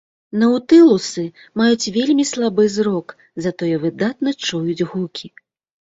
Наўтылусы маюць вельмі слабы зрок, затое выдатна чуюць гукі.